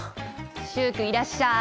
習君いらっしゃい！